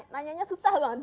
nanyanya susah banget